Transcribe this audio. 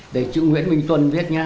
đây chữ nguyễn minh tuân viết nha